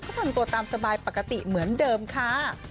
ก็ทำตัวตามสบายปกติเหมือนเดิมค่ะ